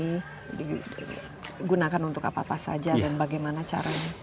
menggunakan untuk apa saja dan bagaimana caranya